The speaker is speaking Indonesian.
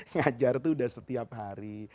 ngajar itu sudah setiap hari